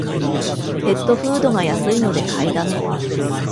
ペットフードが安いので買いだめ